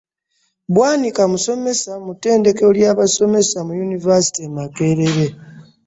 Bwanika musomesa mu ttendekero ly'abasomesa mu yunivasite e Makerere.